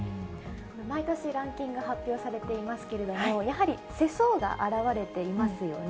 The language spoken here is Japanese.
毎年ランキング発表されていますけれども、やはり世相が表れていますよね。